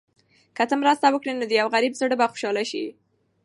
که ته مرسته وکړې، نو د یو غریب زړه به خوشحاله شي.